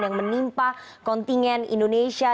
yang menimpa kontingen indonesia